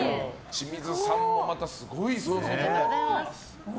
清水さんもすごいですね。